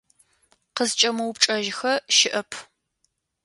Къызкӏэмыупчӏэжьыхэ щыӏэп.